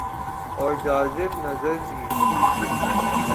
اورجاذب نظربھی۔